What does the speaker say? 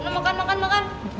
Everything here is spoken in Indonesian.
makan makan makan